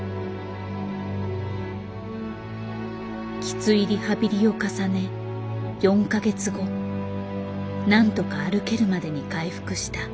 きついリハビリを重ね４か月後なんとか歩けるまでに回復した。